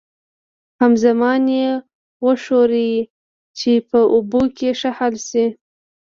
همزمان یې وښورئ چې په اوبو کې ښه حل شي.